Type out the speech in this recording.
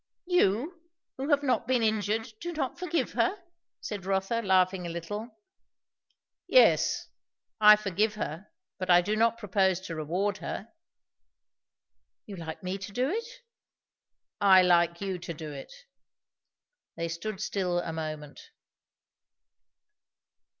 "You, who have not been injured, do not forgive her?" said Rotha, laughing a little. "Yes, I forgive her; but I do not propose to reward her." "You like me to do it?" "I like you to do it." They stood still a moment.